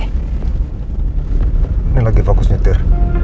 ini lagi fokusnya tir